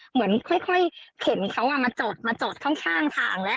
เหมือนค่อยเข็นเขามาจอดมาจอดข้างทางแล้ว